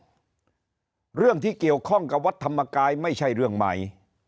เรื่องที่เกี่ยวข้องกับวัดธรรมกายไม่ใช่เรื่องใหม่